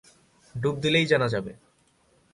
ডুব দিলেই জানা যাবে।